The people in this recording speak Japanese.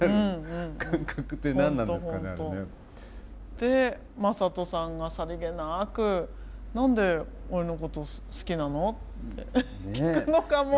でまさとさんがさりげなく「何で俺のこと好きなの？」って聞くのがもう。